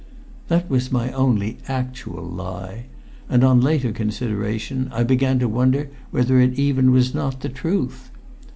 That was my only actual lie, and on later consideration I began to wonder whether even it was not the truth.